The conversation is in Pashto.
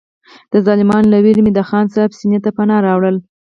د ظالمانو له وېرې مې د خان صاحب سینې ته پناه راوړله.